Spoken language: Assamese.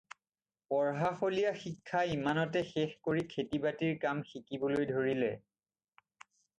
পঢ়াশলীয়া শিক্ষা ইমানতে শেষ কৰি খেতি-বাতিৰ কাম শিকাবলৈ ধৰিলে।